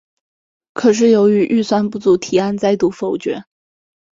可是由于预算不足提案再度否决。